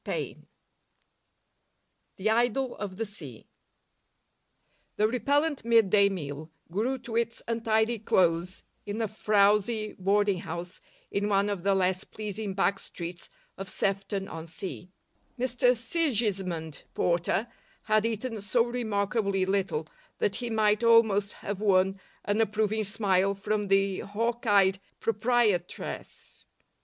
AN IDYLL OF THE SEA The repellent mid day meal grew to its untidy close in a frowsy boarding house in one of the less pleasing back streets of Sefton on Sea. Mr Sigismund Porter had eaten so remarkably little that he might almost have won an approving smile from the hawk eyed proprietress.